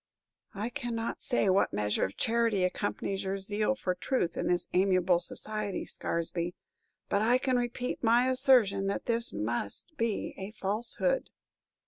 "I cannot say what measure of charity accompanies your zeal for truth in this amiable society, Scaresby, but I can repeat my assertion that this must be a falsehood."